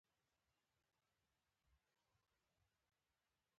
تولیدوونکي د مصرفوونکو عمر، دود او خوښې په پام کې نیسي.